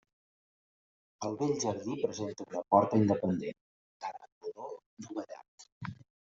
El bell jardí presenta una porta independent, d'arc rodó dovellat.